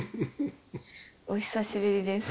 お久しぶりです。